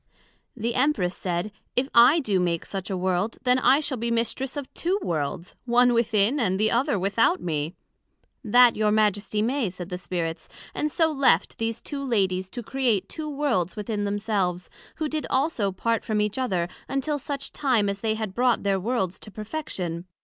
The Empress said, If I do make such a world, then I shall be Mistress of two Worlds, one within, and the other without me. That your Majesty may, said the Spirits; and so left these two Ladies to create two Worlds within themselves: who did also part from each other, until such time as they had brought their Worlds to perfection.